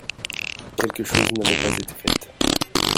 Quelques choses n'avaient pas été faites.